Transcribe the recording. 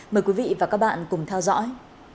mời quý vị và các bạn cùng theo dõi